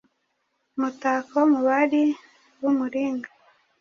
Umutako mu bari bumuringa,